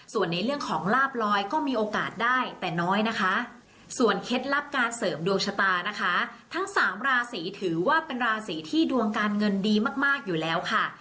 ส่วนในเรื่องของลาบลอยก็มีโอกาสได้แต่น้อยนะคะส่วนเคล็ดลับการเสริมดวงชะตานะคะทั้งสามราศีถือว่าเป็นราศีที่ดวงการเงินดีมากอยู่แล้วค่ะ